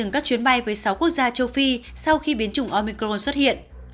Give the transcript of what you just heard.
chuyến bay với sáu quốc gia châu phi sau khi biến chủng omicron xuất hiện